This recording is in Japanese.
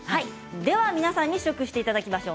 では試食していただきましょう。